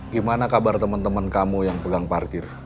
gimana kabar teman teman kamu yang pegang parkir